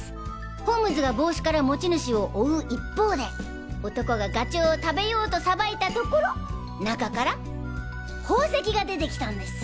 ホームズが帽子から持ち主を追う一方で男がガチョウを食べようとさばいたところ中から宝石が出てきたんです。